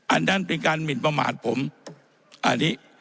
อันนั้นเป็นการหมินประมาทผมอันนี้